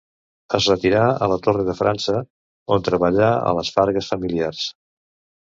Es retirà a la Torre de França, on treballà a les fargues familiars.